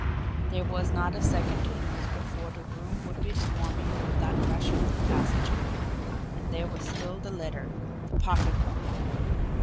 There was not a second to lose before the room would be swarming with that rush from the passageway and there was still the letter, the pocketbook!